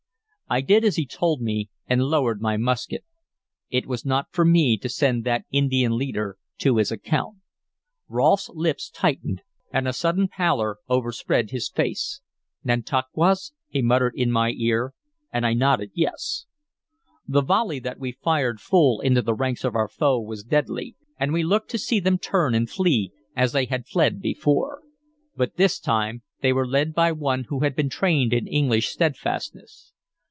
I did as he told me, and lowered my musket. It was not for me to send that Indian leader to his account. Rolfe's lips tightened and a sudden pallor overspread his face. "Nantauquas?" he muttered in my ear, and I nodded yes. The volley that we fired full into the ranks of our foe was deadly, and we looked to see them turn and flee, as they had fled before. But this time they were led by one who had been trained in English steadfastness.